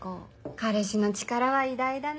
彼氏の力は偉大だね。